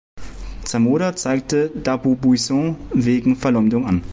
Zamora zeigte D’Abubuisson wegen Verleumdung an.